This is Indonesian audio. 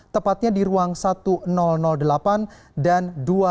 tepatnya di ruang seribu delapan dan dua ribu tiga